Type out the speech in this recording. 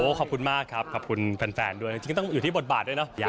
ขอบคุณมากครับขอบคุณแฟนด้วยจริงต้องอยู่ที่บทบาทด้วยเนาะ